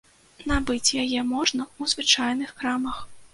Набыць яе можна ў звычайных крамах.